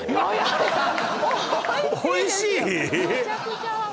おいしい？